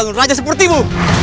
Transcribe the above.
dari ulasan siap naszymu